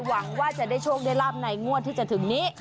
หวังว่าจะได้โชคได้ลาบในงวดที่จะถึงนี้